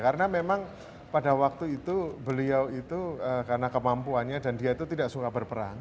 karena memang pada waktu itu beliau itu karena kemampuannya dan dia itu tidak suka berperang